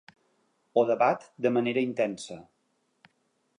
Ho debat de manera intensa.